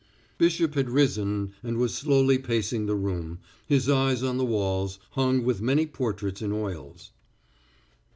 Bishop had risen and was slowly pacing the room, his eyes on the walls, hung with many portraits in oils.